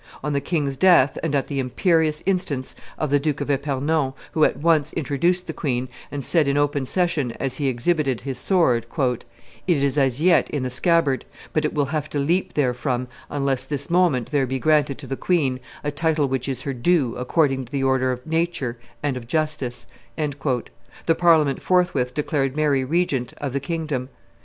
On the king's death, and at the imperious instance of the Duke of Epernon, who at once introduced the queen, and said in open session, as he exhibited his sword, "It is as yet in the scabbard; but it will have to leap therefrom unless this moment there be granted to the queen a title which is her due according to the order of nature and of justice," the Parliament forthwith declared Mary regent of, the kingdom.